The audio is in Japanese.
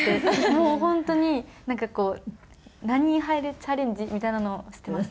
もう本当になんかこう何人入るチャレンジみたいなのをしてましたね。